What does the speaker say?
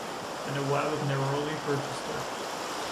The Nawab of Nellore purchased her.